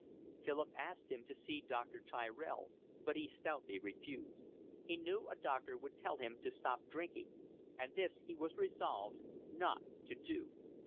Philip asked him to see Dr. Tyrell, but he stoutly refused; he knew a doctor would tell him to stop drinking, and this he was resolved not to do.